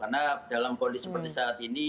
karena dalam kondisi seperti saat ini